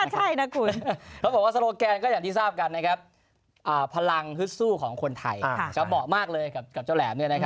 คนร้องเพลงก็สิรเตกรียอน